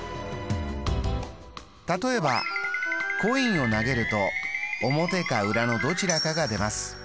例えばコインを投げると表か裏のどちらかが出ます。